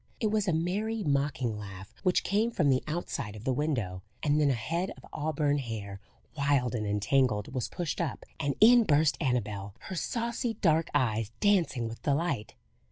It was a merry, mocking laugh, which came from the outside of the window, and then a head of auburn hair, wild and entangled, was pushed up, and in burst Annabel, her saucy dark eyes dancing with delight.